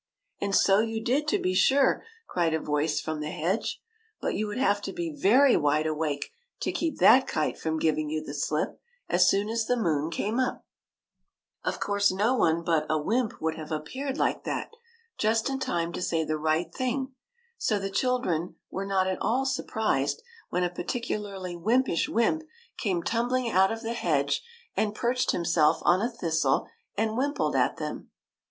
" And so you did, to be sure !" cried a voice from the hedge; "but you would have to be very wide awake to keep ^Aaf kite from giv ing you the slip, as soon as the moon came up !" Of course, no one but a wymp would have appeared like that, just in time to say the right thing; so the children were not at all surprised when a particularly wympish wymp came tum WENT TO THE MOON 173 bling out of the hedge and perched himself on a thistle and wimpled at them.